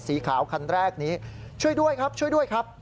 สีขาวคันแรกนี้ช่วยด้วยครับครับ